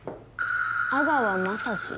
阿川将司？